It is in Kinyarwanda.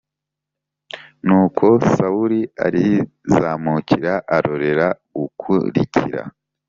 Nuko Sawuli arizamukira arorera gukurikira